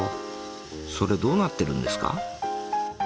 それどうなってるんですか？